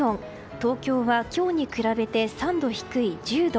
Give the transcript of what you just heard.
東京は今日に比べて３度低い１０度。